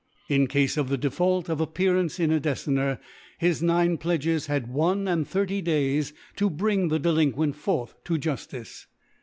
, In Cafe of the Default of Ac^earance 19 a Decenner, bis nine Pledges had one and thirty Days to bring the Definquent forth to JuIlLce.